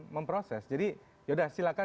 memproses jadi yaudah silahkan